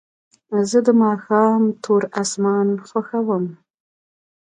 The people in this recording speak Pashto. زه د ماښام تور اسمان خوښوم.